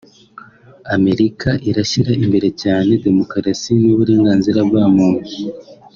Amerika irashyira imbere cyane demokarasi n’uburenganzira bwa muntu